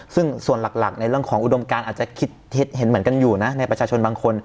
ซึ่งส่วนหลักในเรื่องของอุดมการอาจจะคิดเห็นเหมือนกันอยู่นะในประชาชนบางคน